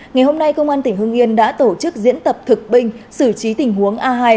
ngày hôm nay công an tỉnh hưng yên đã tổ chức diễn tập thực binh xử trí tình huống a hai